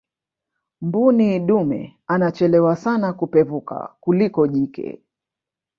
mbuni dume anachelewa sana kupevuka kuliko jike